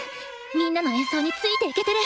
みんなの演奏についていけてる！